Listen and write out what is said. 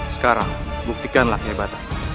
sekarang buktikanlah kehebatan